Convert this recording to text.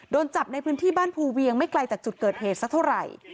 โดนจับในพื้นที่บ้านภูเวียงไม่ไกลจากจุดเกิดเหตุสักเท่าไหร่